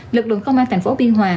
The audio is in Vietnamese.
lực lượng công an thành phố biên hòa